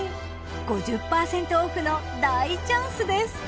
５０％オフの大チャンスです！